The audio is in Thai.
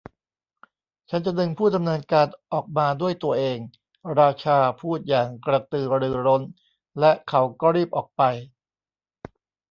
'ฉันจะดึงผู้ดำเนินการออกมาด้วยตัวเอง' ราชาพูดอย่างกระตือรือร้นและเขาก็รีบออกไป